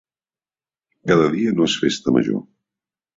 Cada dia no és festa major.